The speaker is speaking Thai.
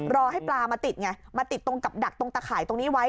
รอให้ปลามาติดไงมาติดตรงกับดักตรงตะข่ายตรงนี้ไว้